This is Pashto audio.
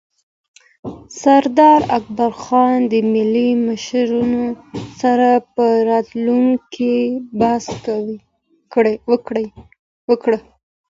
سردار اکبرخان د ملي مشرانو سره پر راتلونکي بحث وکړ.